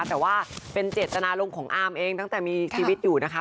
แต่ว่าเป็นเจตนารมณ์ของอาร์มเองตั้งแต่มีชีวิตอยู่นะคะ